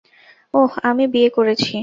ওহ, আমি বিয়ে করেছি।